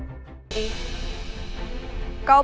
puperbuat upara bu utiliseku